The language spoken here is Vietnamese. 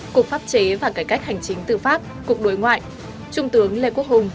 cục pháp chế và cải cách hành chính tư pháp cục đối ngoại trung tướng lê quốc hùng